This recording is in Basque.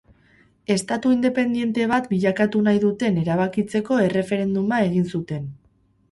Estatu independiente bat bilakatu nahi duten erabakitzeko erreferenduma egin zuten.